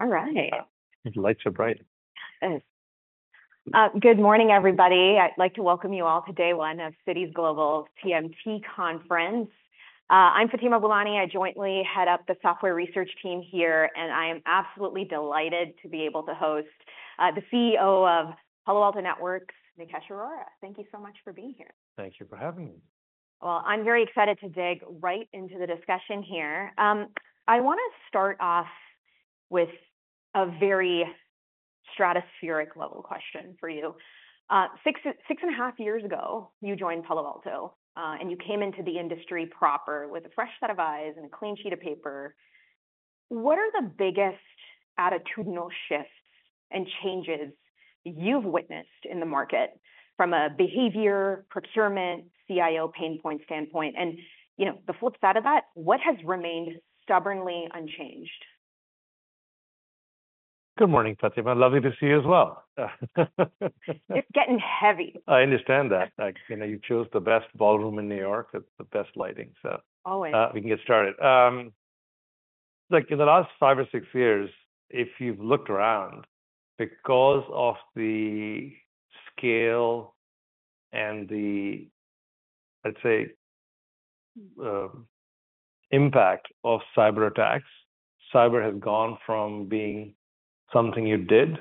All right. The lights are bright. Good morning, everybody. I'd like to welcome you all to day one of Citi's Global TMT Conference. I'm Fatima Boolani. I jointly head up the software research team here, and I am absolutely delighted to be able to host the CEO of Palo Alto Networks, Nikesh Arora. Thank you so much for being here. Thank you for having me. I'm very excited to dig right into the discussion here. I wanna start off with a very stratospheric level question for you. Six, six and a half years ago, you joined Palo Alto, and you came into the industry proper with a fresh set of eyes and a clean sheet of paper. What are the biggest attitudinal shifts and changes you've witnessed in the market from a behavior, procurement, CIO, pain point standpoint? And, you know, the flip side of that, what has remained stubbornly unchanged? Good morning, Fatima. Lovely to see you as well. It's getting heavy. I understand that. Like, you know, you chose the best ballroom in New York. It's the best lighting, so- Always. We can get started. Like in the last five or six years, if you've looked around, because of the scale and the, let's say, impact of cyberattacks, cyber has gone from being something you did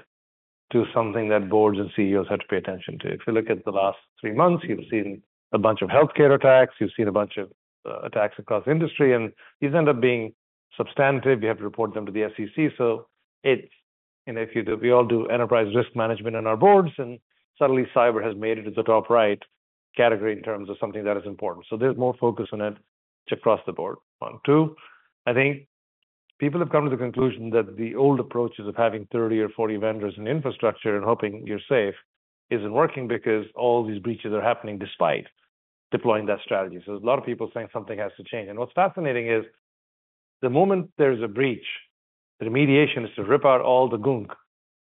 to something that boards and CEOs had to pay attention to. If you look at the last three months, you've seen a bunch of healthcare attacks, you've seen a bunch of attacks across industry, and these end up being substantive. You have to report them to the SEC, so it's, and if you do, we all do enterprise risk management on our boards, and suddenly, cyber has made it to the top right category in terms of something that is important. So there's more focus on it across the board. One, two. I think people have come to the conclusion that the old approaches of having 30 or 40 vendors in infrastructure and hoping you're safe isn't working because all these breaches are happening despite deploying that strategy. So there's a lot of people saying something has to change. And what's fascinating is, the moment there's a breach, the remediation is to rip out all the gunk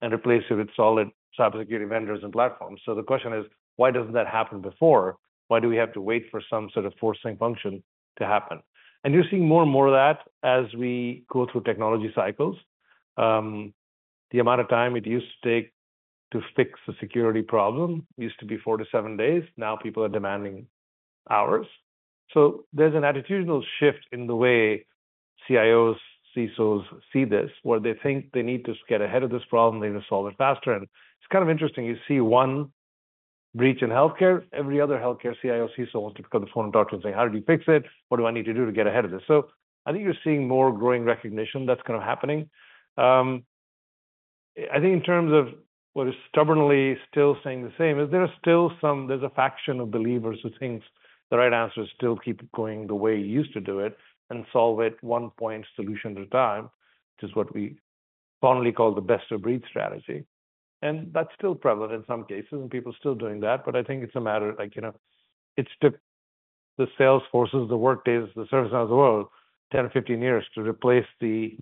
and replace it with solid cybersecurity vendors and platforms. So the question is, why doesn't that happen before? Why do we have to wait for some sort of forcing function to happen? And you're seeing more and more of that as we go through technology cycles. The amount of time it used to take to fix a security problem used to be four to seven days. Now people are demanding hours. So there's an attitudinal shift in the way CIOs, CISOs see this, where they think they need to get ahead of this problem, they need to solve it faster. And it's kind of interesting. You see one breach in healthcare, every other healthcare CIO, CISO, wants to pick up the phone and talk to and say, "How do we fix it? What do I need to do to get ahead of this?" So I think you're seeing more growing recognition. That's kind of happening. I think in terms of what is stubbornly still staying the same, there's a faction of believers who thinks the right answer is still keep it going the way you used to do it, and solve it one point solution at a time, which is what we fondly call the best of breed strategy. That's still prevalent in some cases, and people are still doing that, but I think it's a matter like, you know, it took the Salesforce, the Workday, the ServiceNow of the world, 10 or 15 years to replace the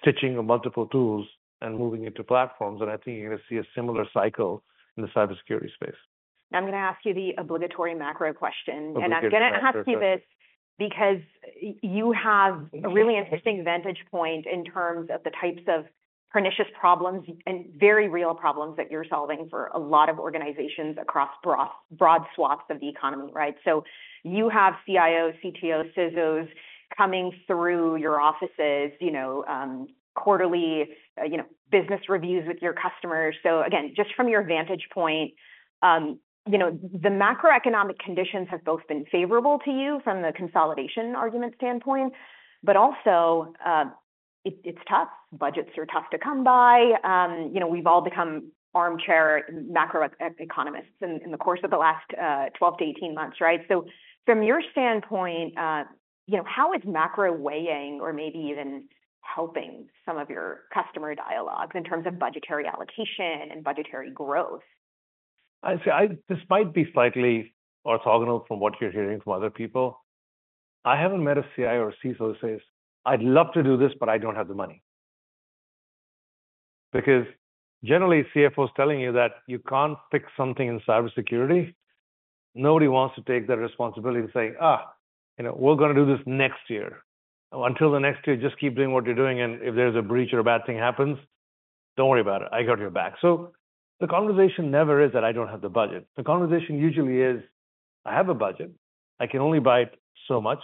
stitching of multiple tools and moving into platforms, and I think you're gonna see a similar cycle in the cybersecurity space. I'm gonna ask you the obligatory macro question- Obligatory. And I'm gonna have to keep it, because you have a really interesting vantage point in terms of the types of pernicious problems and very real problems that you're solving for a lot of organizations across broad, broad swaths of the economy, right? So you have CIO, CTO, CISOs coming through your offices, you know, quarterly, you know, business reviews with your customers. So again, just from your vantage point, you know, the macroeconomic conditions have both been favorable to you from the consolidation argument standpoint, but also, it's tough. Budgets are tough to come by. You know, we've all become armchair macroeconomists in the course of the last twelve to eighteen months, right? From your standpoint, you know, how is macro weighing or maybe even helping some of your customer dialogues in terms of budgetary allocation and budgetary growth? I see, this might be slightly orthogonal from what you're hearing from other people. I haven't met a CIO or CISO who says, "I'd love to do this, but I don't have the money." Because generally, CFO is telling you that you can't fix something in cybersecurity. Nobody wants to take the responsibility to say, "Ah, you know, we're gonna do this next year. Until the next year, just keep doing what you're doing, and if there's a breach or a bad thing happens, don't worry about it. I got your back." So the conversation never is that I don't have the budget. The conversation usually is: I have a budget. I can only buy so much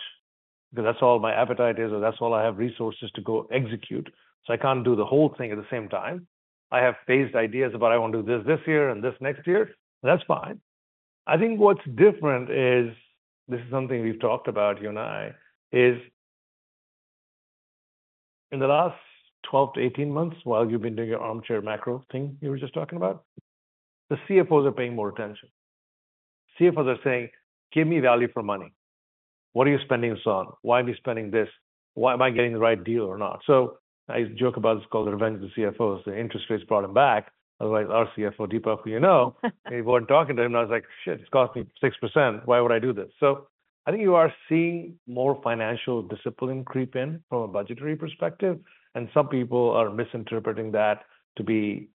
because that's all my appetite is, or that's all I have resources to go execute, so I can't do the whole thing at the same time. I have phased ideas about what I want to do this year and next year. That's fine. I think what's different is, this is something we've talked about, you and I, in the last 12 to 18 months, while you've been doing your armchair macro thing you were just talking about, the CFOs are paying more attention. CFOs are saying, "Give me value for money. What are you spending this on? Why are we spending this? Why am I getting the right deal or not?" So I joke about this, called the revenge of the CFOs. The interest rates brought them back. I was like, our CFO, Dipak, you know. We're talking to him, and I was like, "Shit, it's cost me 6%. Why would I do this?" So I think you are seeing more financial discipline creep in from a budgetary perspective, and some people are misinterpreting that to be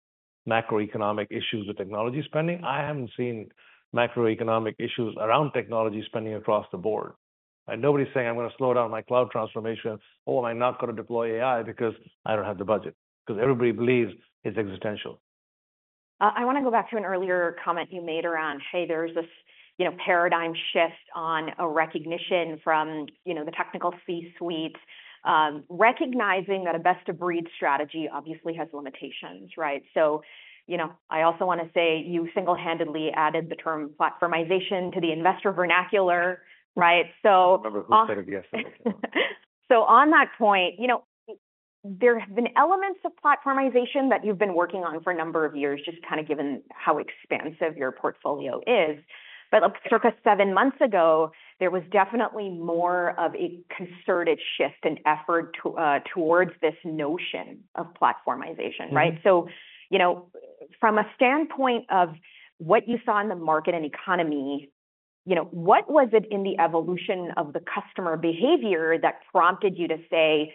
macroeconomic issues with technology spending. I haven't seen macroeconomic issues around technology spending across the board... And nobody's saying, "I'm gonna slow down my cloud transformations," or, "I'm not gonna deploy AI because I don't have the budget." Because everybody believes it's existential. I wanna go back to an earlier comment you made around, hey, there's this, you know, paradigm shift on a recognition from, you know, the technical C-suite. Recognizing that a best-of-breed strategy obviously has limitations, right? So, you know, I also wanna say, you single-handedly added the term platformization to the investor vernacular, right? So- Remember who said it yesterday. So on that point, you know, there have been elements of platformization that you've been working on for a number of years, just kind of given how expansive your portfolio is. But circa seven months ago, there was definitely more of a concerted shift and effort to towards this notion of platformization, right? Mm. So, you know, from a standpoint of what you saw in the market and economy, you know, what was it in the evolution of the customer behavior that prompted you to say,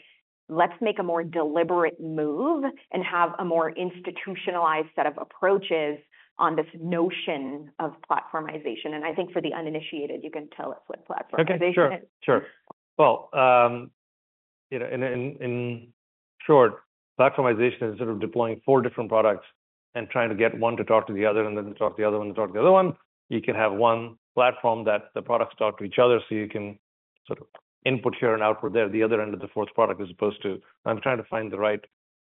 "Let's make a more deliberate move, and have a more institutionalized set of approaches on this notion of platformization?" And I think for the uninitiated, you can tell us what platformization is. Okay. Sure, sure. Well, you know, in short, platformization is sort of deploying four different products and trying to get one to talk to the other, and then to talk to the other one. You can have one platform that the products talk to each other, so you can sort of input here and output there, the other end of the fourth product, as opposed to... I'm trying to find the right,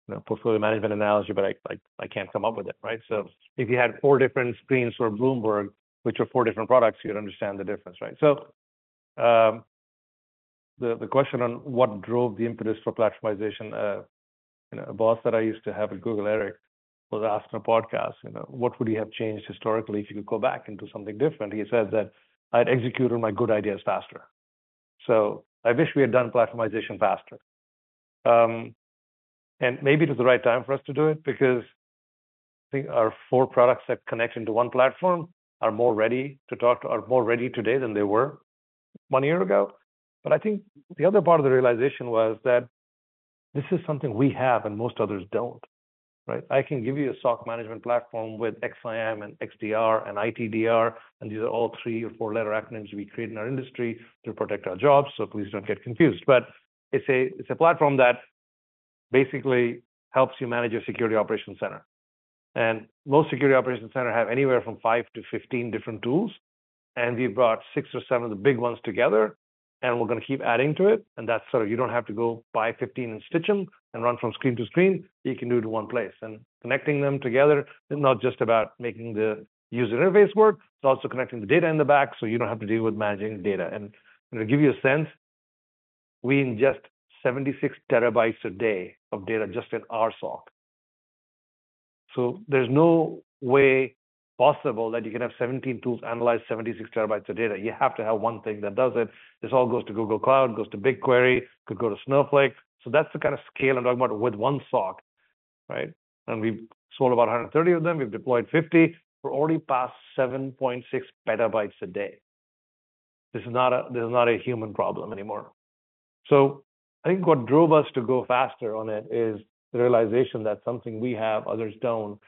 you know, portfolio management analogy, but I can't come up with it, right? So if you had four different screens for Bloomberg, which are four different products, you'd understand the difference, right? So, the question on what drove the impetus for platformization, you know, a boss that I used to have at Google, Eric, was asked in a podcast, you know, "What would he have changed historically if you could go back and do something different?" He said that, "I'd execute on my good ideas faster." So I wish we had done platformization faster. And maybe it was the right time for us to do it, because I think our four products that connect to one platform are more ready today than they were one year ago. But I think the other part of the realization was that this is something we have, and most others don't, right? I can give you a SOC management platform with XSIAM and XDR and ITDR, and these are all three or four-letter acronyms we create in our industry to protect our jobs, so please don't get confused. But it's a, it's a platform that basically helps you manage your security operations center. Most security operations center have anywhere from five to 15 different tools, and we've brought six or seven of the big ones together, and we're gonna keep adding to it. That's so you don't have to go buy 15 and stitch them, and run from screen to screen. You can do it in one place. Connecting them together is not just about making the user interface work, it's also connecting the data in the back, so you don't have to deal with managing data. To give you a sense, we ingest 76 terabytes a day of data just in our SOC. There's no way possible that you can have 17 tools analyze 76 terabytes of data. You have to have one thing that does it. This all goes to Google Cloud, goes to BigQuery, could go to Snowflake. That's the kind of scale I'm talking about with one SOC, right? We've sold about 130 of them, we've deployed 50. We're already past 7.6 petabytes a day. This is not a human problem anymore. I think what drove us to go faster on it is the realization that something we have, others don't.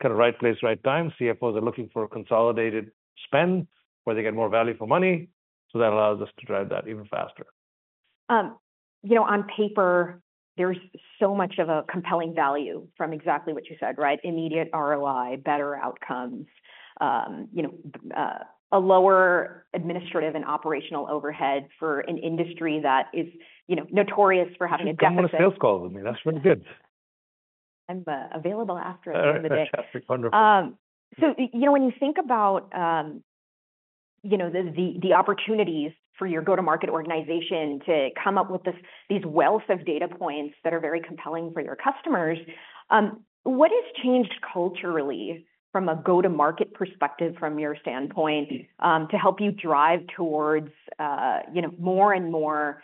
Kind of right place, right time. CFOs are looking for a consolidated spend, where they get more value for money, so that allows us to drive that even faster. You know, on paper, there's so much of a compelling value from exactly what you said, right? Immediate ROI, better outcomes. You know, a lower administrative and operational overhead for an industry that is, you know, notorious for having a deficit. Just come on a sales call with me. That's what it did. I'm available after the day. Wonderful. So, you know, when you think about, you know, the opportunities for your go-to-market organization to come up with these wealth of data points that are very compelling for your customers, what has changed culturally from a go-to-market perspective from your standpoint, to help you drive towards, you know, more and more,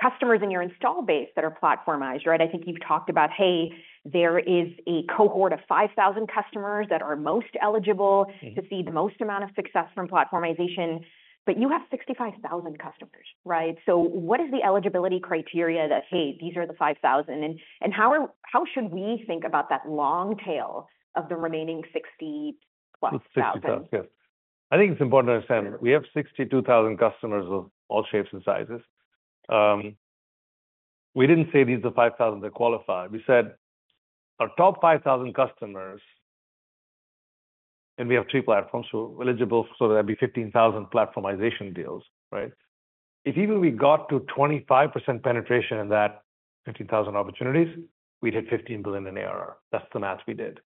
customers in your install base that are platformized, right? I think you've talked about, hey, there is a cohort of 5000 customers that are most eligible-... to see the most amount of success from platformization, but you have 65,000 customers, right? So what is the eligibility criteria that, hey, these are the 5,000, and how should we think about that long tail of the remaining 60+thousand? 60-plus, yeah. I think it's important to understand, we have 62,000 customers of all shapes and sizes. We didn't say these are the 5,000 that qualify. We said our top 5,000 customers... and we have three platforms, so eligible, so that'd be 15,000 platformization deals, right? If even we got to 25% penetration in that 15,000 opportunities, we'd hit $15 billion in ARR. That's the math we did,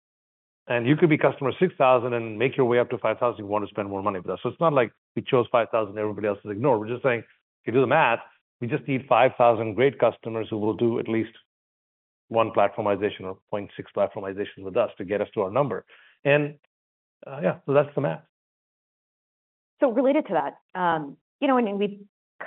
and you could be customer 6,000 and make your way up to 5,000, if you want to spend more money with us. So it's not like we chose 5,000, everybody else is ignored. We're just saying, if you do the math, we just need 5,000 great customers who will do at least one platformization or 0.6 platformization with us to get us to our number. And, yeah, so that's the math. So related to that, you know, and we've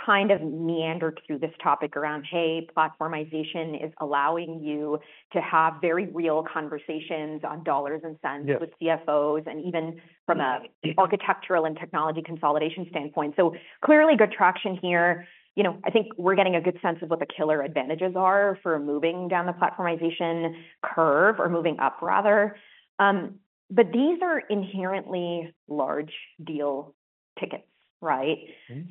kind of meandered through this topic around, hey, platformization is allowing you to have very real conversations on dollars and cents- Yeah... with CFOs, and even from an architectural and technology consolidation standpoint. So clearly, good traction here. You know, I think we're getting a good sense of what the killer advantages are for moving down the platformization curve or moving up, rather. But these are inherently large deal tickets, right?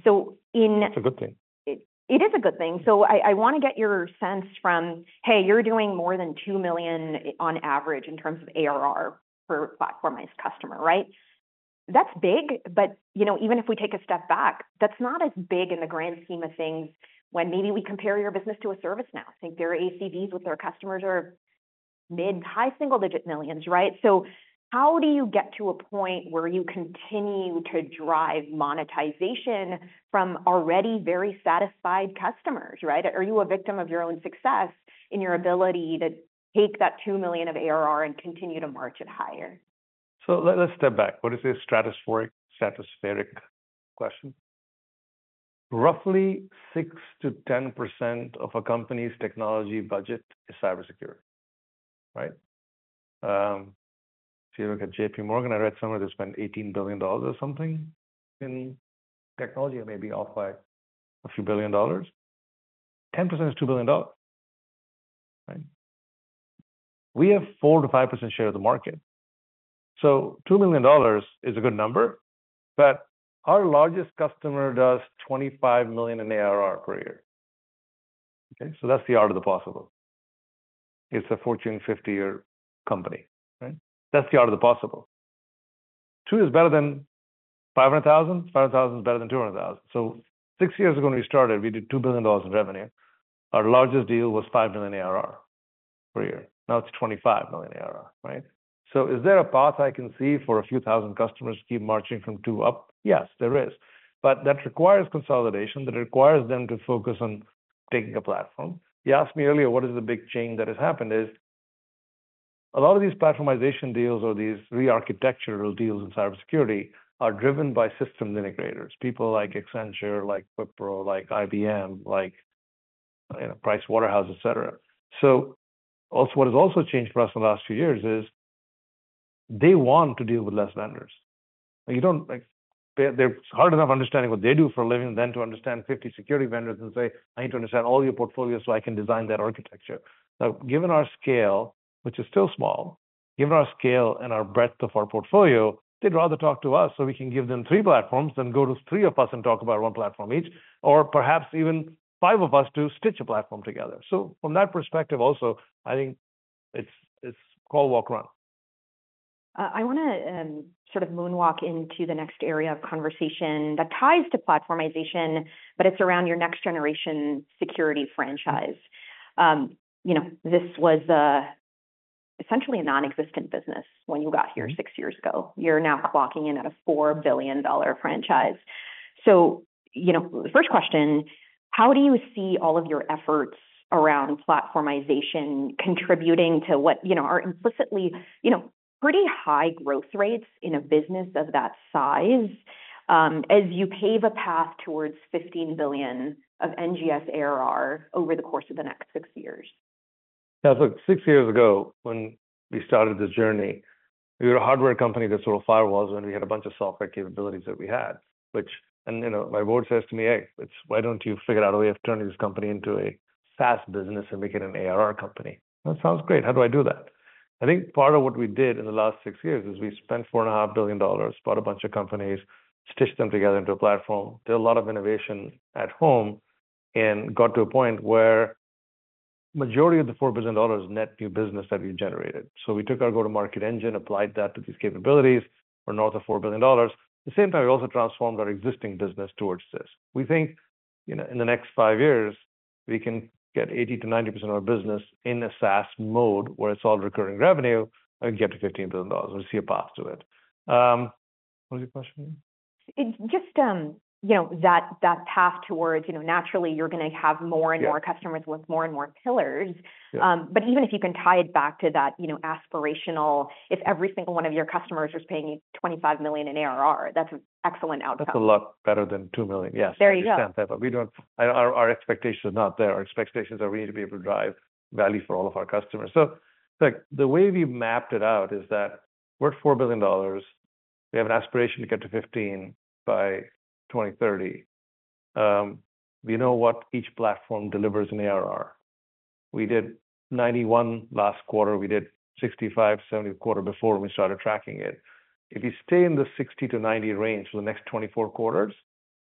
So in- It's a good thing. It is a good thing. So I wanna get your sense from, hey, you're doing more than $2 million on average in terms of ARR per platformized customer, right? That's big, but, you know, even if we take a step back, that's not as big in the grand scheme of things when maybe we compare your business to a ServiceNow. I think their ACVs with their customers are mid- to high-single-digit millions, right? So how do you get to a point where you continue to drive monetization from already very satisfied customers, right? Are you a victim of your own success in your ability to take that $2 million of ARR and continue to march it higher? Let's step back. What is a stratospheric question? Roughly 6%-10% of a company's technology budget is cybersecurity, right? If you look at JP Morgan, I read somewhere they spend $18 billion or something in technology. I may be off by a few billion dollars. 10% is $2 billion, right? We have 4%-5% share of the market. So $2 million is a good number, but our largest customer does $25 million in ARR per year, okay? So that's the art of the possible. It's a Fortune 50 company, right? That's the art of the possible. $2 million is better than $500,000, $500,000 is better than $200,000. So six years ago, when we started, we did $2 billion of revenue. Our largest deal was $5 million ARR per year. Now it's 25 million ARR, right? So is there a path I can see for a few thousand customers to keep marching from two up? Yes, there is. But that requires consolidation, that requires them to focus on taking a platform. You asked me earlier, what is the big change that has happened is, a lot of these platformization deals or these re-architectural deals in cybersecurity are driven by systems integrators. People like Accenture, like Wipro, like IBM, like, you know, PricewaterhouseCoopers, et cetera. So also, what has also changed for us in the last few years is, they want to deal with less vendors. They're hard enough understanding what they do for a living than to understand 50 security vendors and say, "I need to understand all your portfolios so I can design that architecture." Now, given our scale, which is still small, given our scale and our breadth of our portfolio, they'd rather talk to us so we can give them 3 platforms than go to 3 of us and talk about one platform each, or perhaps even 5 of us to stitch a platform together. So from that perspective also, I think it's called walk around. I wanna, sort of moonwalk into the next area of conversation that ties to platformization, but it's around your next generation security franchise. You know, this was essentially a nonexistent business when you got here six years ago. You're now clocking in at a $4 billion franchise. So, you know, the first question, how do you see all of your efforts around platformization contributing to what, you know, are implicitly, you know, pretty high growth rates in a business of that size, as you pave a path towards $15 billion of NGS ARR over the course of the next six years? Now, look, six years ago, when we started this journey, we were a hardware company that sold firewalls, and we had a bunch of software capabilities that we had, which... And, you know, my board says to me, "Hey, let's - why don't you figure out a way of turning this company into a SaaS business and make it an ARR company?" "That sounds great. How do I do that?" I think part of what we did in the last six years is we spent $4.5 billion, bought a bunch of companies, stitched them together into a platform, did a lot of innovation at home, and got to a point where majority of the $4 billion is net new business that we generated. So we took our go-to-market engine, applied that to these capabilities, for north of $4 billion. At the same time, we also transformed our existing business towards this. We think, you know, in the next five years, we can get 80%-90% of our business in a SaaS mode, where it's all recurring revenue, and get to $15 billion. We see a path to it. What was your question again? It's just, you know, that, that path towards, you know, naturally you're gonna have more- Yeah... and more customers with more and more pillars. Yeah. But even if you can tie it back to that, you know, aspirational, if every single one of your customers is paying you $25 million in ARR, that's an excellent outcome. That's a lot better than two million. Yes. There you go. I understand that, but we don't—our expectation is not there. Our expectations are we need to be able to drive value for all of our customers. So, like, the way we've mapped it out is that we're at $4 billion. We have an aspiration to get to $15 billion by 2030. We know what each platform delivers in ARR. We did 91 last quarter. We did 65-70 the quarter before we started tracking it. If you stay in the 60-90 range for the next twenty-four quarters.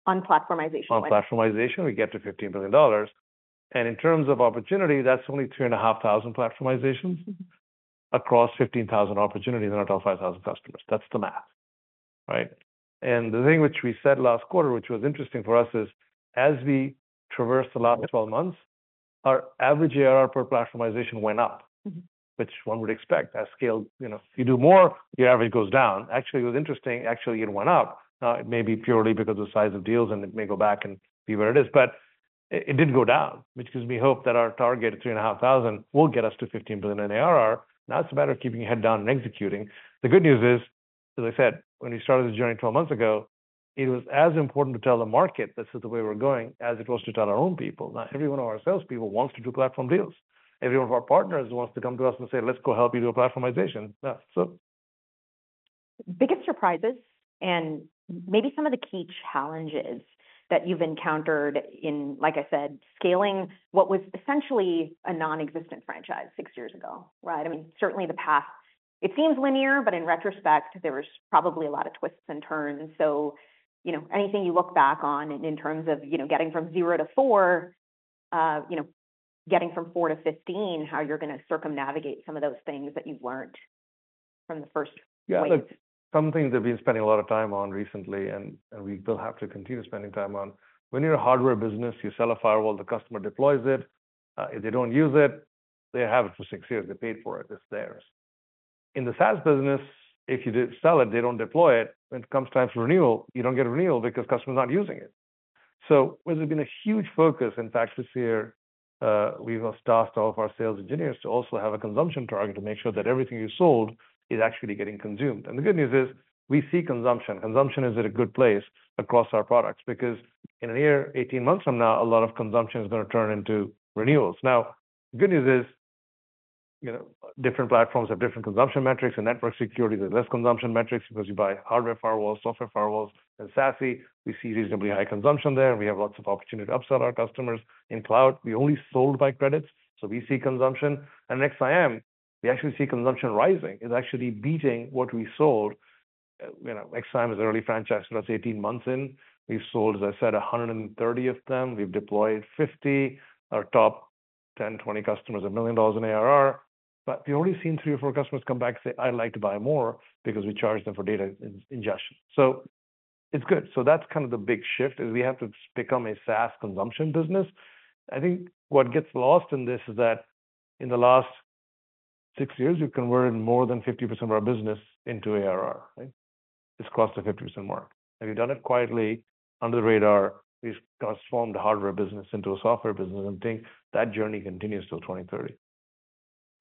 On platformization? On platformization, we get to $15 billion, and in terms of opportunity, that's only 3,500 platformizations across 15,000 opportunities in our top 5,000 customers. That's the math, right? And the thing which we said last quarter, which was interesting for us, is as we traversed the last twelve months, our average ARR per platformization went up. Mm-hmm. Which one would expect. At scale, you know, if you do more, your average goes down. Actually, it was interesting. Actually, it went up. It may be purely because of the size of deals, and it may go back and be where it is, but it did go down, which gives me hope that our target of 3,500 will get us to 15 billion in ARR. Now it's a matter of keeping your head down and executing. The good news is, as I said, when we started this journey 12 months ago, it was as important to tell the market this is the way we're going, as it was to tell our own people. Now, every one of our salespeople wants to do platform deals. Every one of our partners wants to come to us and say, "Let's go help you do a platformization." Yeah, so. Biggest surprises, and maybe some of the key challenges that you've encountered in, like I said, scaling what was essentially a non-existent franchise six years ago, right? I mean, certainly the path, it seems linear, but in retrospect, there was probably a lot of twists and turns. So, you know, anything you look back on in terms of, you know, getting from zero to four, you know, getting from four to fifteen, how you're gonna circumnavigate some of those things that you've learned from the first point? Yeah, look, some things we've been spending a lot of time on recently, and we will have to continue spending time on. When you're a hardware business, you sell a firewall, the customer deploys it. If they don't use it, they have it for six years. They paid for it, it's theirs. In the SaaS business, if you did sell it, they don't deploy it. When it comes time for renewal, you don't get a renewal because the customer's not using it. So there's been a huge focus. In fact, this year, we've tasked all of our sales engineers to also have a consumption target to make sure that everything you sold is actually getting consumed. The good news is, we see consumption. Consumption is at a good place across our products because in a year, 18 months from now, a lot of consumption is gonna turn into renewals. Now, the good news is, you know, different platforms have different consumption metrics. In network security, there's less consumption metrics because you buy hardware firewalls, software firewalls. In SASE, we see reasonably high consumption there, and we have lots of opportunity to upsell our customers. In cloud, we only sold by credits, so we see consumption, and XSIAM, we actually see consumption rising. It's actually beating what we sold. You know, XSIAM is an early franchise, so that's 18 months in. We've sold, as I said, 130 of them. We've deployed 50. Our top 10, 20 customers are $1 million in ARR, but we've already seen 3 or 4 customers come back and say, "I'd like to buy more," because we charged them for data ingestion. So it's good. So that's kind of the big shift, is we have to become a SaaS consumption business. I think what gets lost in this is that in the last 6 years, we've converted more than 50% of our business into ARR, right? It's close to 50% more. And we've done it quietly, under the radar. We've transformed the hardware business into a software business, and I think that journey continues till 2030.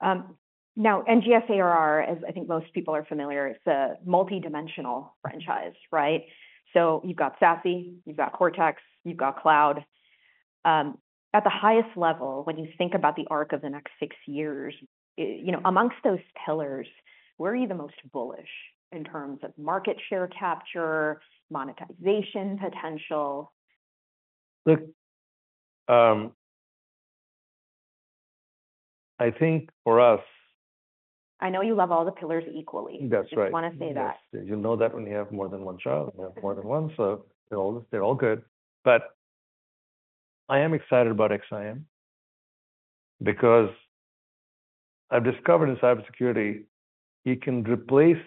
Now, NGS ARR, as I think most people are familiar, it's a multidimensional franchise, right? So you've got SASE, you've got Cortex, you've got Cloud. At the highest level, when you think about the arc of the next six years, you know, among those pillars, where are you the most bullish in terms of market share capture, monetization potential? Look, I think for us- I know you love all the pillars equally. That's right. Just wanna say that. You'll know that when you have more than one child, you have more than one. So they're all good. But I am excited about XSIAM because I've discovered in cybersecurity, you can replace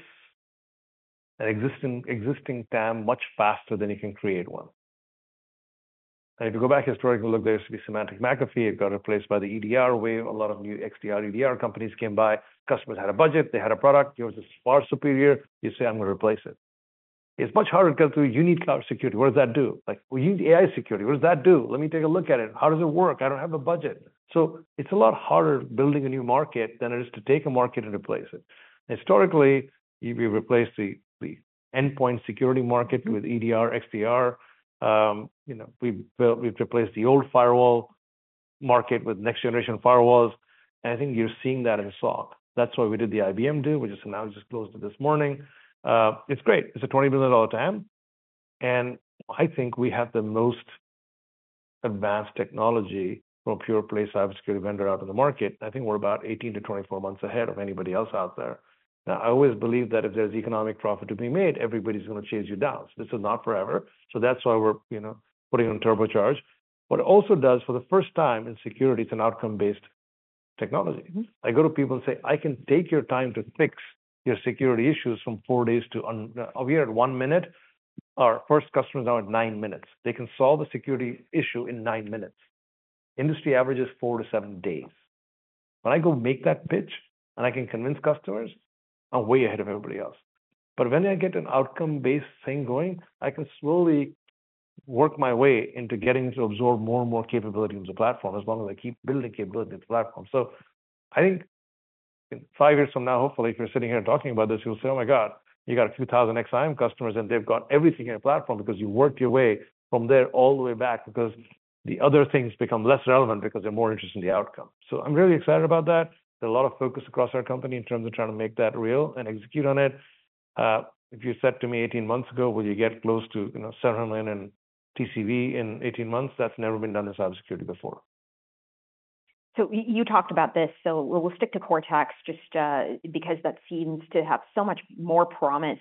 an existing TAM much faster than you can create one. And if you go back historically, look, there used to be Symantec, McAfee, it got replaced by the EDR wave. A lot of new XDR, EDR companies came by. Customers had a budget, they had a product. Yours is far superior. You say, "I'm gonna replace it." It's much harder to go through. You need cloud security. What does that do? Like, we need AI security. What does that do? Let me take a look at it. How does it work? I don't have a budget. So it's a lot harder building a new market than it is to take a market and replace it. Historically, you've replaced the endpoint security market with EDR, XDR. You know, we've replaced the old firewall market with next generation firewalls, and I think you're seeing that in SOC. That's why we did the IBM deal, which is announced just closed this morning. It's great. It's a $20 billion TAM, and I think we have the most advanced technology from a pure play cybersecurity vendor out in the market. I think we're about 18-24 months ahead of anybody else out there. Now, I always believe that if there's economic profit to be made, everybody's gonna chase you down. This is not forever, so that's why we're, you know, putting on turbocharge. What it also does, for the first time in security, it's an outcome-based technology. I go to people and say, "I can take your time to fix your security issues from four days to un..." We are at one minute. Our first customers are at nine minutes. They can solve a security issue in nine minutes. Industry average is four to seven days. When I go make that pitch, and I can convince customers, I'm way ahead of everybody else. But when I get an outcome-based thing going, I can slowly work my way into getting to absorb more and more capability in the platform, as long as I keep building capability in the platform. So I think five years from now, hopefully, if you're sitting here talking about this, you'll say, "Oh my God, you got a few thousand XSIAM customers, and they've got everything in a platform because you worked your way from there all the way back." Because the other things become less relevant because they're more interested in the outcome. So I'm really excited about that. There's a lot of focus across our company in terms of trying to make that real and execute on it. If you said to me eighteen months ago, will you get close to, you know, seven million in TCV in eighteen months? That's never been done in cybersecurity before. So you talked about this, so we'll stick to Cortex just, because that seems to have so much more promise.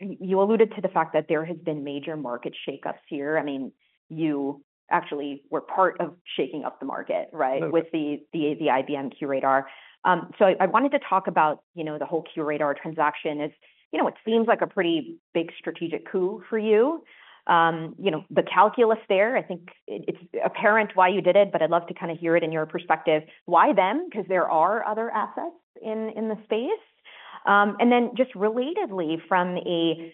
You alluded to the fact that there has been major market shakeups here. I mean, you actually were part of shaking up the market, right? Mm. With the IBM QRadar. So I wanted to talk about, you know, the whole QRadar transaction. As you know, it seems like a pretty big strategic coup for you. You know, the calculus there, I think it's apparent why you did it, but I'd love to kind of hear it in your perspective. Why then? Because there are other assets in the space. And then just relatedly, from an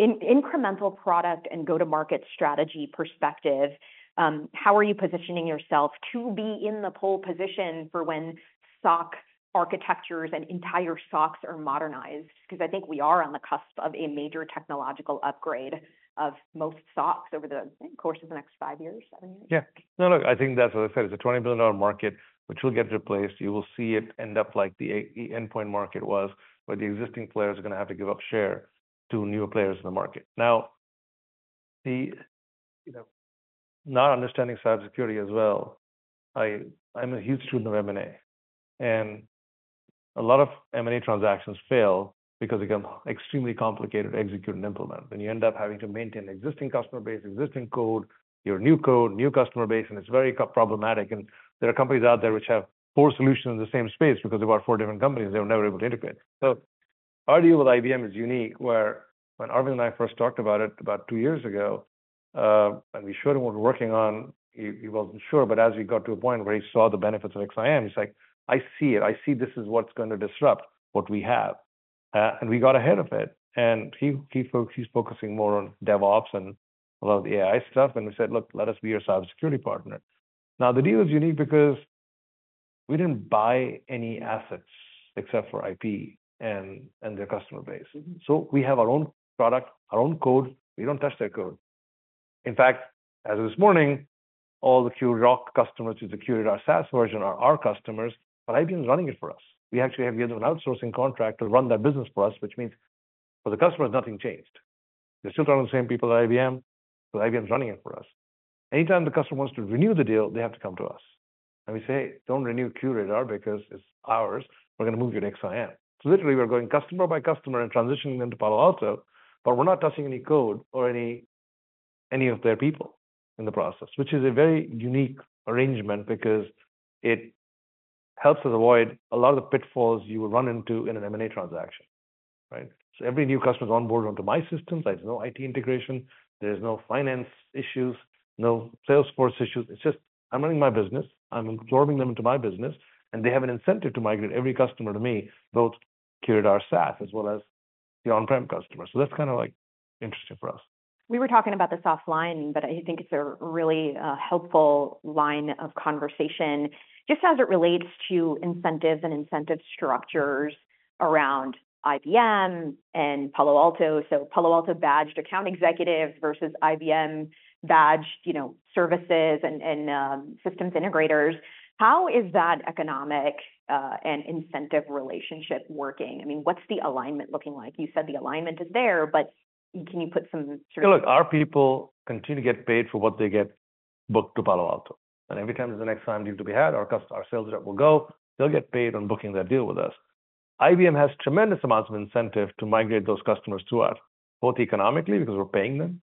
incremental product and go-to-market strategy perspective, how are you positioning yourself to be in the pole position for when SOC architectures and entire SOCs are modernized? Because I think we are on the cusp of a major technological upgrade of most SOCs over the course of the next five years, seven years. Yeah. No, look, I think that's what I said. It's a $20 billion market, which will get replaced. You will see it end up like the the endpoint market was, where the existing players are gonna have to give up share to newer players in the market. Now the, you know, not understanding cybersecurity as well, I'm a huge student of M&A. And a lot of M&A transactions fail because they become extremely complicated to execute and implement, and you end up having to maintain existing customer base, existing code, your new code, new customer base, and it's very complicated. And there are companies out there which have four solutions in the same space because they bought four different companies, they were never able to integrate. Our deal with IBM is unique, where when Arvind and I first talked about it about two years ago, and we showed him what we're working on, he wasn't sure. But as we got to a point where he saw the benefits of XSIAM, he's like: I see it. I see this is what's gonna disrupt what we have. And we got ahead of it. And he's focusing more on DevOps and a lot of the AI stuff, and we said: Look, let us be your cybersecurity partner. Now, the deal is unique because we didn't buy any assets except for IP and their customer base. So we have our own product, our own code. We don't touch their code. In fact, as of this morning, all the QRoC customers who secured our SaaS version are our customers, but IBM's running it for us. We actually have an outsourcing contract to run that business for us, which means for the customer, nothing changed. They're still talking to the same people at IBM, but IBM's running it for us. Anytime the customer wants to renew the deal, they have to come to us. And we say, "Don't renew QRadar because it's ours. We're gonna move you to XSIAM." So literally, we're going customer by customer and transitioning them to Palo Alto, but we're not touching any code or any of their people in the process, which is a very unique arrangement because it helps us avoid a lot of the pitfalls you will run into in an M&A transaction, right? So every new customer is onboarded onto my system. There's no IT integration, there's no finance issues, no Salesforce issues. It's just, I'm running my business, I'm absorbing them into my business, and they have an incentive to migrate every customer to me, both QRadar SaaS as well as the on-prem customers, so that's kind of, like, interesting for us. We were talking about this offline, but I think it's a really helpful line of conversation just as it relates to incentives and incentive structures around IBM and Palo Alto, so Palo Alto badged account executives versus IBM badged, you know, services and systems integrators. How is that economic and incentive relationship working? I mean, what's the alignment looking like? You said the alignment is there, but can you put some sort of- Look, our people continue to get paid for what they get booked to Palo Alto. And every time there's an XSIAM deal to be had, our sales rep will go. They'll get paid on booking that deal with us. IBM has tremendous amounts of incentive to migrate those customers to us, both economically, because we're paying them,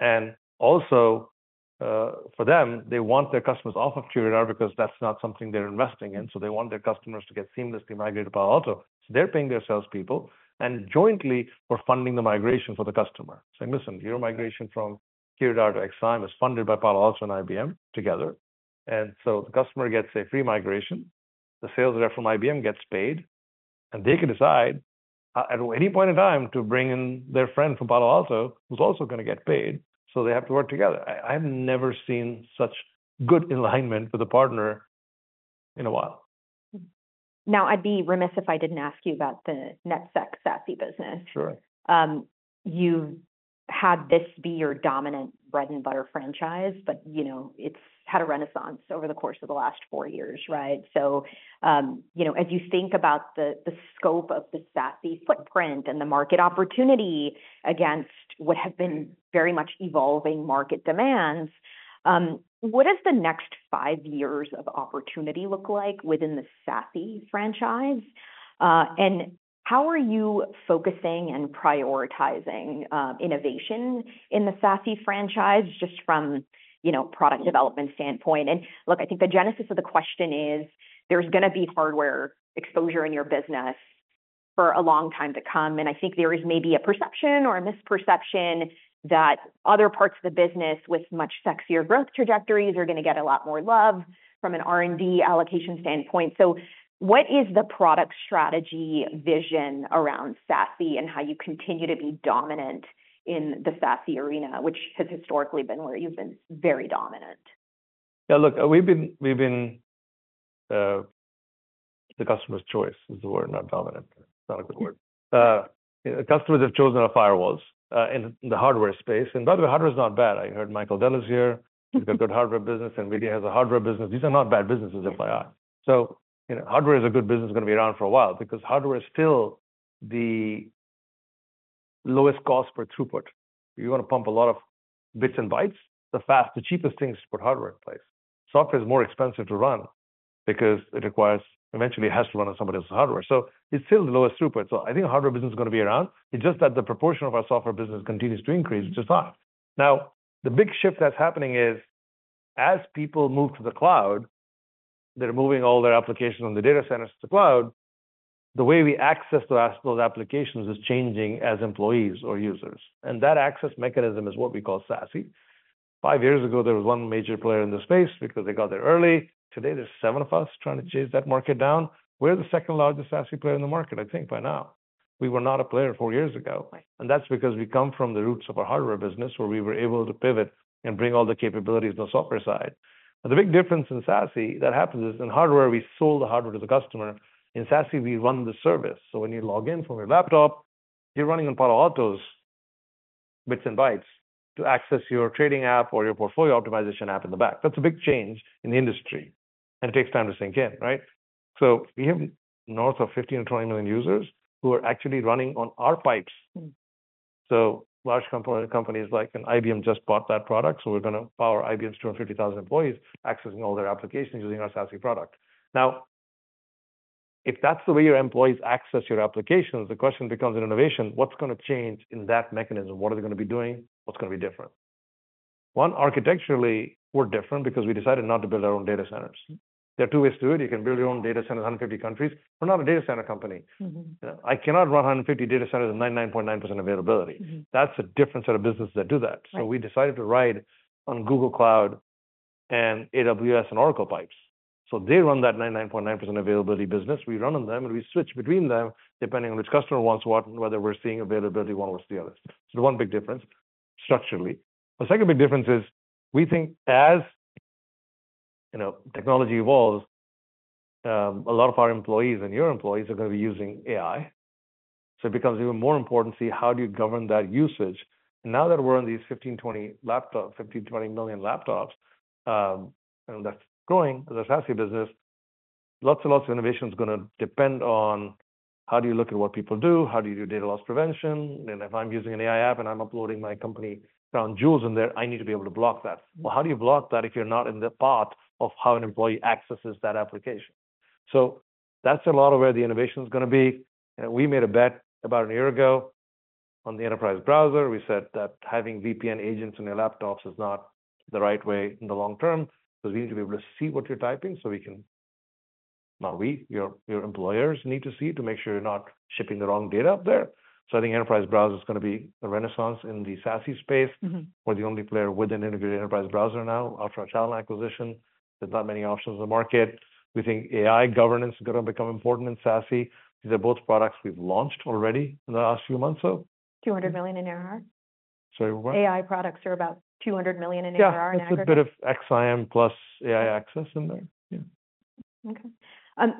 and also, for them, they want their customers off of QRadar because that's not something they're investing in, so they want their customers to get seamlessly migrated to Palo Alto. So they're paying their salespeople, and jointly, we're funding the migration for the customer. Say, "Listen, your migration from QRadar to XSIAM is funded by Palo Alto and IBM together." And so the customer gets a free migration, the sales rep from IBM gets paid, and they can decide at any point in time to bring in their friend from Palo Alto, who's also gonna get paid, so they have to work together. I've never seen such good alignment with a partner in a while. Now, I'd be remiss if I didn't ask you about the NetSec SASE business. Sure. You've had this be your dominant bread-and-butter franchise, but, you know, it's had a renaissance over the course of the last four years, right? So, you know, as you think about the scope of the SASE footprint and the market opportunity against what have been very much evolving market demands, what does the next five years of opportunity look like within the SASE franchise? And how are you focusing and prioritizing innovation in the SASE franchise, just from, you know, product development standpoint? And look, I think the genesis of the question is, there's gonna be hardware exposure in your business for a long time to come. And I think there is maybe a perception or a misperception that other parts of the business with much sexier growth trajectories are gonna get a lot more love from an R&D allocation standpoint. What is the product strategy vision around SASE and how you continue to be dominant in the SASE arena, which has historically been where you've been very dominant? Yeah, look, we've been. The customer's choice is the word, not dominant. It's not a good word. Customers have chosen our firewalls in the hardware space. And by the way, the hardware is not bad. I heard Michael Dell is here. He's got good hardware business, and NVIDIA has a hardware business. These are not bad businesses if I ask. So, you know, hardware is a good business, it's gonna be around for a while, because hardware is still the lowest cost per throughput. You want to pump a lot of bits and bytes, the cheapest thing is to put hardware in place. Software is more expensive to run because it requires... Eventually, it has to run on somebody else's hardware, so it's still the lowest throughput. So I think the hardware business is gonna be around. It's just that the proportion of our software business continues to increase. It's just that. Now, the big shift that's happening is, as people move to the cloud, they're moving all their applications from the data centers to the cloud. The way we access those applications is changing as employees or users, and that access mechanism is what we call SASE. Five years ago, there was one major player in the space because they got there early. Today, there's seven of us trying to chase that market down. We're the second largest SASE player in the market, I think, by now. We were not a player four years ago. Right. And that's because we come from the roots of a hardware business, where we were able to pivot and bring all the capabilities on the software side. And the big difference in SASE that happens is, in hardware, we sold the hardware to the customer. In SASE, we run the service. So when you log in from your laptop, you're running on Palo Alto's bits and bytes to access your trading app or your portfolio optimization app in the back. That's a big change in the industry, and it takes time to sink in, right? So we have north of 15-20 million users who are actually running on our pipes. Mm-hmm. Large component companies like IBM just bought that product, so we're gonna power IBM's 250,000 employees accessing all their applications using our SASE product. Now, if that's the way your employees access your applications, the question becomes an innovation. What's gonna change in that mechanism? What are they gonna be doing? What's gonna be different? One, architecturally, we're different because we decided not to build our own data centers. There are two ways to do it. You can build your own data center in 150 countries. We're not a data center company. Mm-hmm. I cannot run a hundred and fifty data centers at 99.9% availability. Mm-hmm. That's a different set of businesses that do that. Right. So we decided to ride on Google Cloud and AWS, and Oracle pipes. So they run that 99.9% availability business. We run on them, and we switch between them, depending on which customer wants what and whether we're seeing availability one versus the other. So the one big difference, structurally. The second big difference is we think, as, you know, technology evolves, a lot of our employees and your employees are gonna be using AI. So it becomes even more important to see how do you govern that usage. Now that we're on these 15-20 laptops- 15-20 million laptops, and that's growing the SASE business, lots and lots of innovation is gonna depend on how do you look at what people do? How do you do data loss prevention? If I'm using an AI app, and I'm uploading my company crown jewels in there, I need to be able to block that. How do you block that if you're not in the path of how an employee accesses that application? That's a lot of where the innovation is gonna be. We made a bet about a year ago on the enterprise browser. We said that having VPN agents on your laptops is not the right way in the long term, because we need to be able to see what you're typing so we can. Not we, your employers need to see to make sure you're not shipping the wrong data up there. I think enterprise browser is gonna be a renaissance in the SASE space. Mm-hmm.We're the only player with an integrated enterprise browser now after our Talon acquisition. There's not many options in the market. We think AI governance is gonna become important in SASE. These are both products we've launched already in the last few months or so. Two hundred million in ARR? Sorry, what? AI products are about $200 million in ARR in aggregate. Yeah, it's a bit of XSIAM plus AI access in there. Yeah. Okay.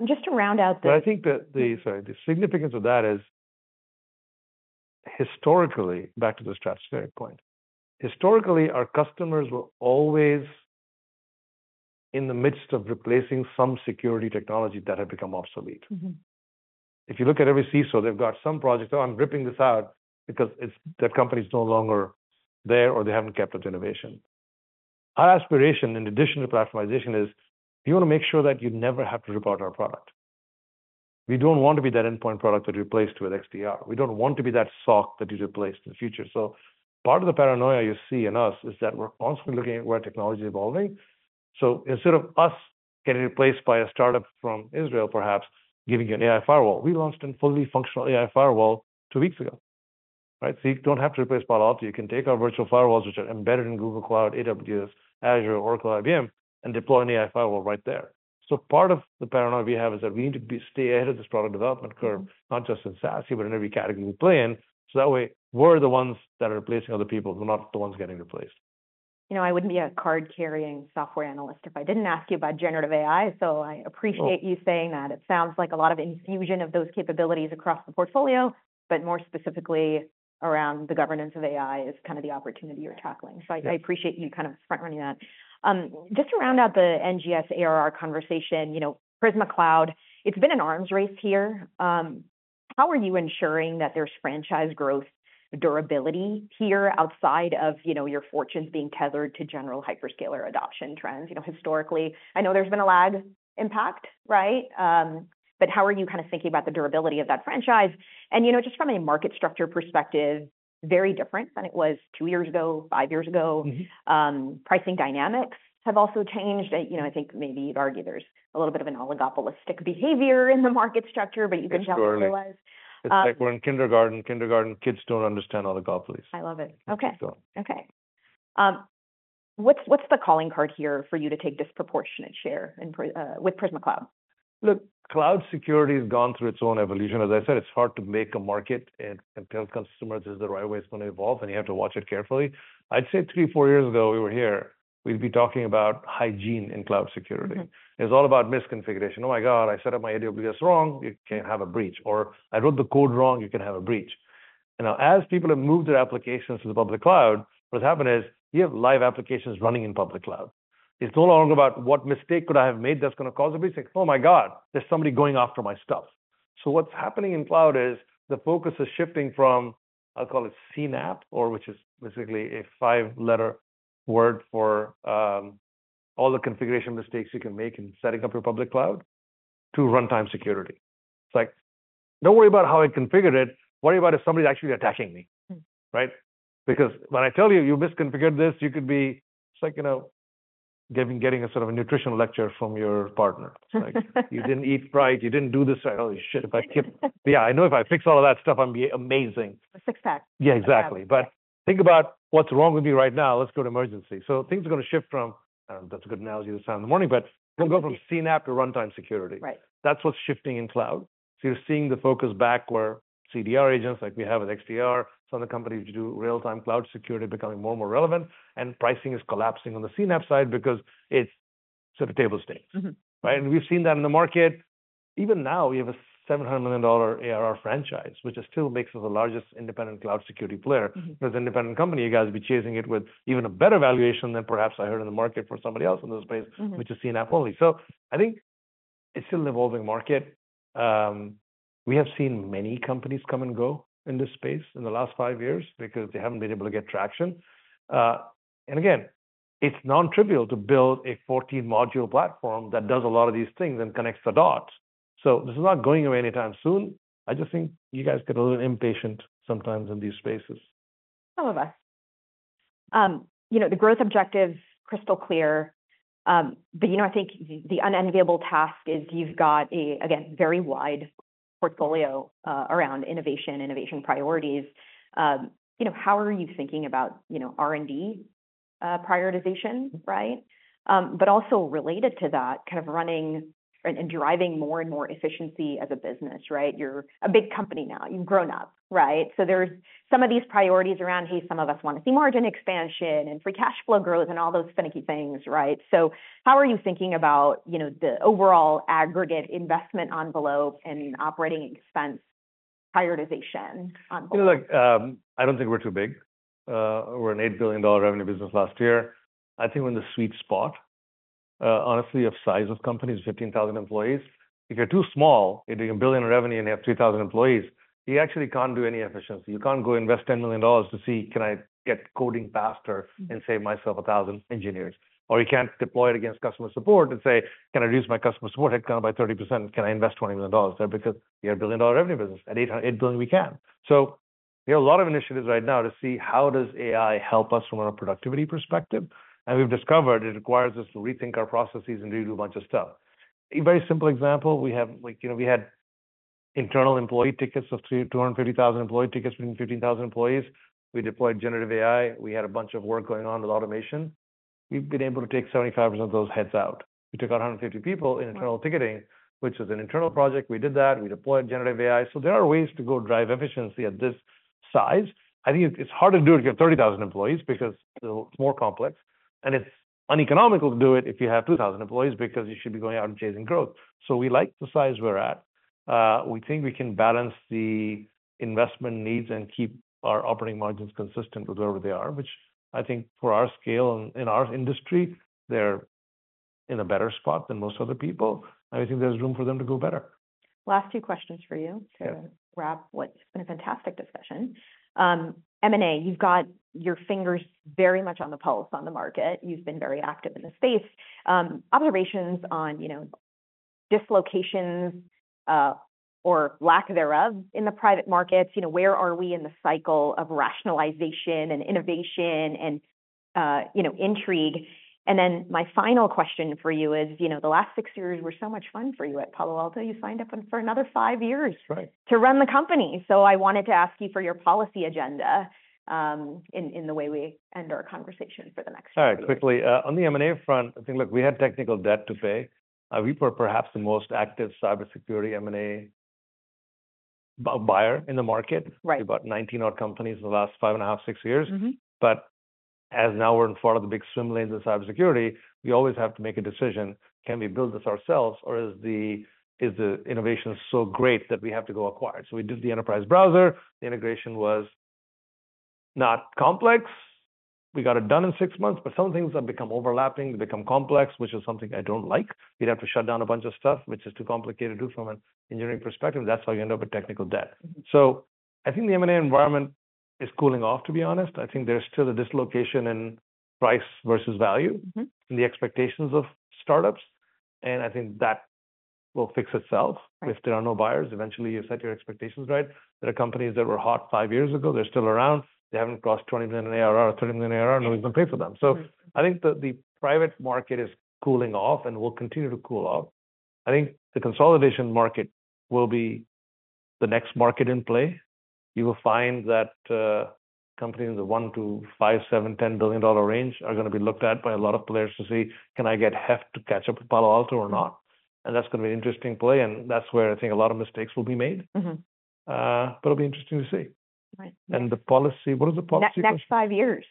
Just to round out the- But I think that the significance of that is historically, back to the strategic point. Historically, our customers were always in the midst of replacing some security technology that had become obsolete. Mm-hmm. If you look at every CISO, they've got some projects, "Oh, I'm ripping this out because it's, that company is no longer there, or they haven't kept up with innovation." Our aspiration, in addition to platformization, is we wanna make sure that you never have to rip out our product. We don't want to be that endpoint product that replaced with XDR. We don't want to be that SOC that you replace in the future. So part of the paranoia you see in us is that we're constantly looking at where technology is evolving. So instead of us getting replaced by a start-up from Israel, perhaps giving you an AI firewall, we launched a fully functional AI firewall two weeks ago, right? So you don't have to replace Palo Alto. You can take our virtual firewalls, which are embedded in Google Cloud, AWS, Azure, Oracle, IBM, and deploy an AI firewall right there. So part of the paranoia we have is that we need to stay ahead of this product development curve, not just in SASE, but in every category we play in. So that way, we're the ones that are replacing other people, we're not the ones getting replaced. You know, I wouldn't be a card-carrying software analyst if I didn't ask you about generative AI, so I appreciate- Oh... you saying that. It sounds like a lot of infusion of those capabilities across the portfolio, but more specifically, around the governance of AI is kind of the opportunity you're tackling. Yeah. So I appreciate you kind of front-running that. Just to round out the NGS ARR conversation, you know, Prisma Cloud, it's been an arms race here. How are you ensuring that there's franchise growth, durability here, outside of, you know, your fortunes being tethered to general hyperscaler adoption trends? You know, historically, I know there's been a lag impact, right? But how are you kind of thinking about the durability of that franchise? And, you know, just from a market structure perspective, very different than it was two years ago, five years ago. Mm-hmm. Pricing dynamics have also changed. You know, I think maybe you'd argue there's a little bit of an oligopolistic behavior in the market structure, but you can- Surely. Uh- It's like we're in kindergarten. Kindergarten kids don't understand oligopolies. I love it. Okay. So. Okay. What's the calling card here for you to take disproportionate share in Prisma with Prisma Cloud? Look, cloud security has gone through its own evolution. As I said, it's hard to make a market and, and tell consumers this is the right way. It's gonna evolve, and you have to watch it carefully. I'd say three, four years ago, we were here, we'd be talking about hygiene in cloud security. Mm-hmm. It's all about misconfiguration. Oh, my God, I set up my AWS wrong, you can have a breach, or I wrote the code wrong, you can have a breach. You know, as people have moved their applications to the public cloud, what's happened is, you have live applications running in public cloud. It's no longer about what mistake could I have made that's gonna cause a breach. It's like, Oh, my God, there's somebody going after my stuff. So what's happening in cloud is the focus is shifting from, I'll call it CNAPP, or which is basically a five-letter word for, all the configuration mistakes you can make in setting up your public cloud, to runtime security. It's like, don't worry about how I configured it, worry about if somebody's actually attacking me. Mm. Right? Because when I tell you, you misconfigured this, you could be, it's like, you know, getting a sort of a nutritional lecture from your partner. It's like, "You didn't eat right. You didn't do this right." Holy shit, if I keep- Yeah, I know if I fix all of that stuff, I'll be amazing. A six-pack. Yeah, exactly. Yeah. But think about what's wrong with me right now. Let's go to emergency. So things are gonna shift from. That's a good analogy this time in the morning, but- Mm-hmm... we'll go from CNAPP to runtime security. Right. That's what's shifting in cloud, so you're seeing the focus back where CDR agents, like we have with XDR, some of the companies which do real-time cloud security, becoming more and more relevant, and pricing is collapsing on the CNAPP side because it's sort of table stakes. Mm-hmm. Right? And we've seen that in the market... even now, we have a $700 million ARR franchise, which still makes us the largest independent cloud security player. As an independent company, you guys will be chasing it with even a better valuation than perhaps I heard in the market for somebody else in this space, which is CNAPP only. So I think it's still an evolving market. We have seen many companies come and go in this space in the last five years because they haven't been able to get traction. And again, it's non-trivial to build a 14-module platform that does a lot of these things and connects the dots. So this is not going away anytime soon. I just think you guys get a little impatient sometimes in these spaces. Some of us. You know, the growth objective, crystal clear. But, you know, I think the unenviable task is you've got a, again, very wide portfolio around innovation priorities. You know, how are you thinking about, you know, R&D prioritization, right? But also related to that, kind of running and driving more and more efficiency as a business, right? You're a big company now. You've grown up, right? So there's some of these priorities around, hey, some of us wanna see margin expansion and free cash flow growth and all those finicky things, right? So how are you thinking about, you know, the overall aggregate investment envelope and operating expense prioritization on whole? You know, like, I don't think we're too big. We're an $8 billion revenue business last year. I think we're in the sweet spot, honestly, of size of companies, 15,000 employees. If you're too small, you're doing a $1 billion in revenue, and you have 2,000 employees, you actually can't do any efficiency. You can't go invest $10 million to see, can I get coding faster and save myself 1,000 engineers? Or you can't deploy it against customer support and say: Can I reduce my customer support headcount by 30%? Can I invest $20 million there? Because we're a $1 billion revenue business, at $8 billion, we can. So we have a lot of initiatives right now to see how does AI help us from a productivity perspective, and we've discovered it requires us to rethink our processes and redo a bunch of stuff. A very simple example, we have, like, you know, we had internal employee tickets of 250,000 employee tickets between 15,000 employees. We deployed generative AI. We had a bunch of work going on with automation. We've been able to take 75% of those heads out. We took out 150 people in internal ticketing, which was an internal project. We did that. We deployed generative AI. So there are ways to go drive efficiency at this size. I think it's hard to do it if you have 30,000 employees because it's more complex, and it's uneconomical to do it if you have 2000 employees because you should be going out and chasing growth. So we like the size we're at. We think we can balance the investment needs and keep our operating margins consistent with wherever they are, which I think for our scale and in our industry, they're in a better spot than most other people, and I think there's room for them to go better. Last two questions for you- Yeah. -to wrap what's been a fantastic discussion. M&A, you've got your fingers very much on the pulse on the market. You've been very active in the space. Observations on, you know, dislocations, or lack thereof in the private markets. You know, where are we in the cycle of rationalization and innovation and, you know, intrigue? And then my final question for you is, you know, the last six years were so much fun for you at Palo Alto. You signed up for another five years- Right. -to run the company. So I wanted to ask you for your policy agenda, in the way we end our conversation for the next six years. All right, quickly, on the M&A front, I think, look, we had technical debt to pay. We were perhaps the most active cybersecurity M&A buyer in the market. Right. About 19 odd companies in the last five and a half, six years. Mm-hmm. But as now we're in front of the big swim lanes of cybersecurity, we always have to make a decision: Can we build this ourselves, or is the innovation so great that we have to go acquire? So we did the enterprise browser. The integration was not complex. We got it done in six months, but some things have become overlapping, become complex, which is something I don't like. We'd have to shut down a bunch of stuff, which is too complicated to do from an engineering perspective. That's how you end up with technical debt. So I think the M&A environment is cooling off, to be honest. I think there's still a dislocation in price versus value- Mm-hmm. and the expectations of startups, and I think that will fix itself. Right. If there are no buyers, eventually, you set your expectations right. There are companies that were hot five years ago, they're still around. They haven't crossed 20 million in ARR or 30 million ARR, and no one's gonna pay for them. Mm. So I think the private market is cooling off and will continue to cool off. I think the consolidation market will be the next market in play. You will find that companies in the $1 billion-$5 billion, $7 billion, $10 billion range are gonna be looked at by a lot of players to see: Can I get heft to catch up with Palo Alto or not? And that's gonna be an interesting play, and that's where I think a lot of mistakes will be made. Mm-hmm. But it'll be interesting to see. Right. And the policy... What is the policy? Next five years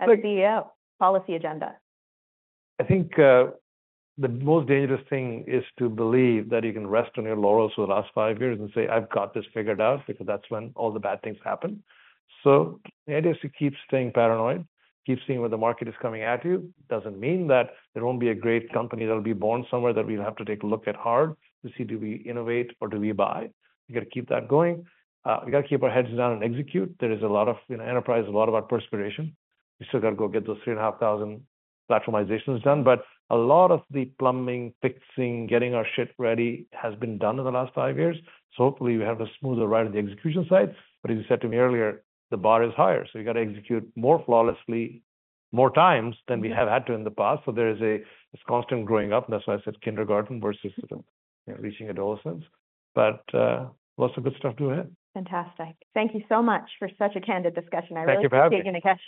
as CEO, policy agenda. I think, the most dangerous thing is to believe that you can rest on your laurels for the last five years and say, "I've got this figured out," because that's when all the bad things happen. So the idea is to keep staying paranoid, keep seeing where the market is coming at you. Doesn't mean that there won't be a great company that'll be born somewhere, that we'll have to take a look at hard to see do we innovate or do we buy? We got to keep that going. We got to keep our heads down and execute. There is a lot of, you know, enterprise, a lot about perspiration. We still got to go get those 3,500 platformizations done, but a lot of the plumbing, fixing, getting our shit ready has been done in the last five years. So hopefully, we have a smoother ride on the execution side. But as you said to me earlier, the bar is higher, so you got to execute more flawlessly, more times than we have had to in the past. So there is a... It's constant growing up. That's why I said kindergarten versus, you know, reaching adolescence, but, lots of good stuff to it. Fantastic. Thank you so much for such a candid discussion. Thank you for having me. I really appreciate it.